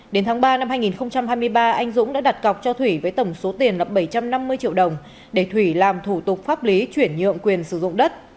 đến tháng ba năm hai nghìn hai mươi ba anh dũng đã đặt cọc cho thủy với tổng số tiền là bảy trăm năm mươi triệu đồng để thủy làm thủ tục pháp lý chuyển nhượng quyền sử dụng đất